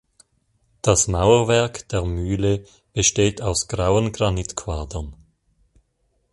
Das Mauerwerk der Mühle besteht aus grauen Granitquadern.